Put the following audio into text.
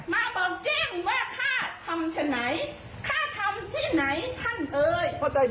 แต่ก็บอกแจ้งว่าข้าทำไฉ้ข้าทำที่ไหนท่านเอย